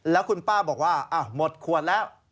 แล้วคุณป้าบอกว่าหมดขวดแล้ว